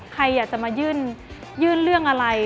ใครอยากจะมายื่นเรื่องอะไร